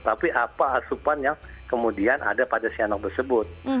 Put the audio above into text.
tapi apa asupan yang kemudian ada pada si anak tersebut